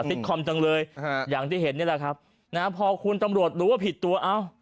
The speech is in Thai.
คอมจังเลยฮะอย่างที่เห็นนี่แหละครับนะฮะพอคุณตำรวจรู้ว่าผิดตัวเอ้า